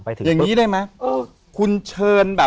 อย่างนี้ได้ไหมเออคุณเชิญแบบ